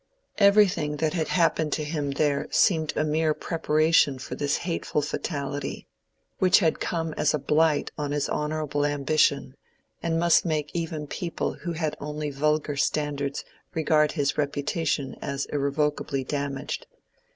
Everything that bad happened to him there seemed a mere preparation for this hateful fatality, which had come as a blight on his honorable ambition, and must make even people who had only vulgar standards regard his reputation as irrevocably damaged.